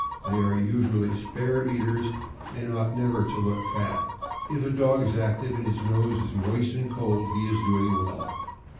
They are usually spare eaters, and ought never to look fat. If a dog is active and his nose is moist and cold, he is doing well.